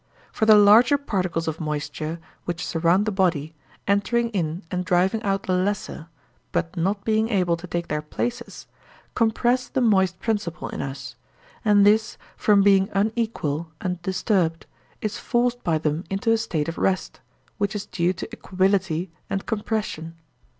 For the larger particles of moisture which surround the body, entering in and driving out the lesser, but not being able to take their places, compress the moist principle in us; and this from being unequal and disturbed, is forced by them into a state of rest, which is due to equability and compression.